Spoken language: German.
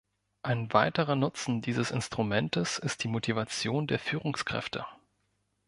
Ein weiterer Nutzen dieses Instrumentes ist die Motivation der Führungskräfte.